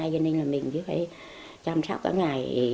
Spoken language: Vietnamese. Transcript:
cho nên là mình cứ phải chăm sóc cả ngày